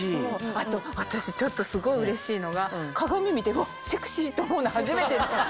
あと私ちょっとすごいうれしいのが鏡見てうわセクシー！と思うの初めて。